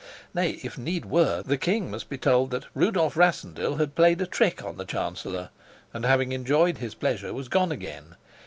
Nay, if need were, the king must be told that Rudolf Rassendyll had played a trick on the chancellor, and, having enjoyed his pleasure, was gone again.